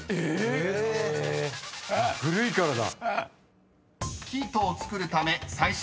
古いからだ。